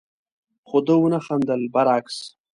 خو ده ونه خندل، برعکس،